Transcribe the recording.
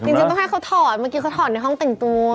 จริงต้องให้เขาถอดเมื่อกี้เขาถอดในห้องแต่งตัว